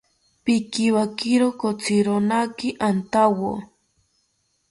Pikiwakiro kotzironaki antawo